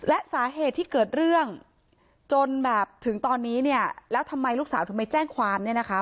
และสาเหตุที่เกิดเรื่องจนแบบถึงตอนนี้เนี่ยแล้วทำไมลูกสาวถึงไม่แจ้งความเนี่ยนะคะ